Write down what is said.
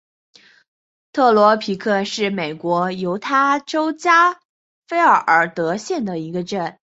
特罗皮克是美国犹他州加菲尔德县的一个镇。